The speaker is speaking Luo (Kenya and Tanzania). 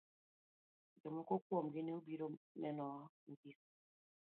Jomoko kuomgi ne obiro nenowa mogik.